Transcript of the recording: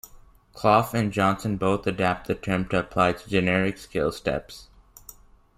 Clough and Johnson both adapt the term to apply to generic scale steps.